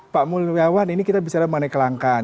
pak mulyawan ini kita bicara mengenai kelangkaan